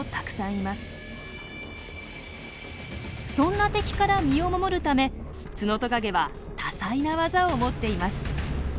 そんな敵から身を守るためツノトカゲは多彩な技を持っています。